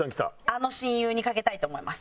あの親友にかけたいと思います。